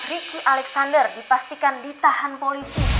riki alexander dipastikan ditahan polisi